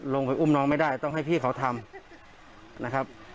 ลงไปอุ้มน้องไม่ได้ต้องให้พี่เขาทำนะครับ